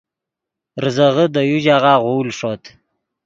ریزغے دے یو ژاغہ غول ݰوت